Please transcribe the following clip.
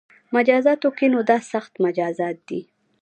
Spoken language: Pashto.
مجازاتو کې نو دا سخت مجازات دي